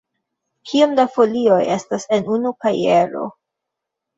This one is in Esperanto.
Kiom da folioj estas en unu kajero?